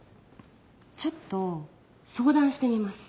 ちょっと相談してみます。